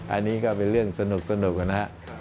อันนี้ก็เป็นเรื่องสนุกนะครับ